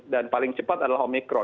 dan paling cepat adalah omikron